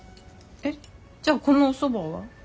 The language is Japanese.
えっじゃあこのおそばは？